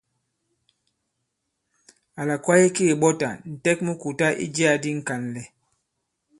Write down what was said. Wula kwaye ki kèɓɔtà, ǹtɛk mu kùta i jiyā di ŋ̀kànlɛ̀.